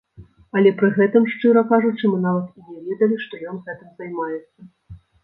Але пры гэтым, шчыра кажучы, мы нават і не ведалі, што ён гэтым займаецца.